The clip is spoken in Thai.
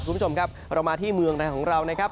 คุณผู้ชมครับเรามาที่เมืองไทยของเรานะครับ